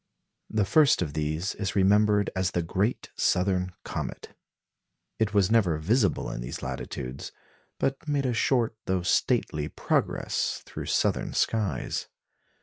The first of these is remembered as the "Great Southern Comet." It was never visible in these latitudes, but made a short though stately progress through southern skies.